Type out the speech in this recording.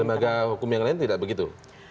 lembaga hukum yang lain tidak begitu